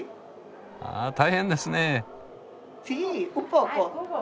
あ大変ですね。